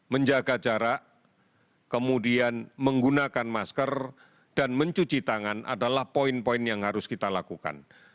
menjaga jarak kemudian menggunakan masker dan mencuci tangan adalah poin poin yang harus kita lakukan